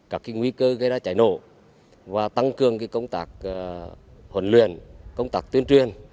các nguy cơ gây ra cháy nổ và tăng cường công tác huấn luyện công tác tuyên truyền